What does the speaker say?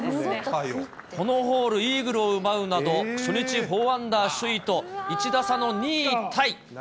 このホール、イーグルを奪うなど、初日４アンダー首位と、１打差の２位タイ。